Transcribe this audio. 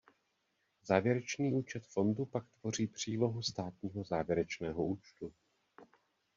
Závěrečný účet Fondu pak tvoří přílohu státního závěrečného účtu.